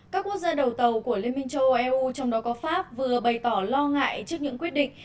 các quốc gia đầu tàu của liên minh châu âu eu trong đó có pháp vừa bày tỏ lo ngại trước những quyết định